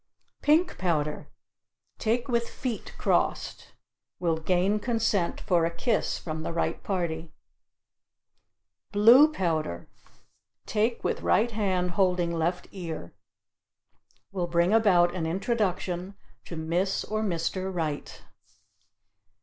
Pink powder take with feet crossed. Will gain consent for a kiss from the right party. Blue powder take with right hand holding left ear. Will bring about an introduction to Miss or Mr. Right.